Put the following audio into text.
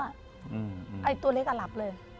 ไอ้ตัวเล็กอะหลับเลย